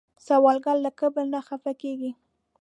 سوالګر له کبر نه خفه کېږي